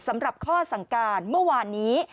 สำหรับข้อสั่งการเมื่อวานนี้